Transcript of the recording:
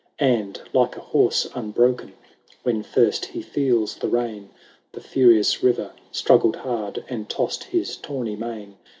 LVI. And, like a horse unbroken When first he feels the rein. The furious river struggled hard. And tossed his tawny mane.